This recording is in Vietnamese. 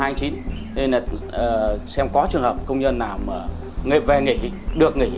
nên là xem có trường hợp công nhân làm về nghỉ được nghỉ